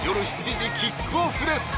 ７時キックオフです！